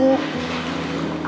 aku selalu kepikiran sama bening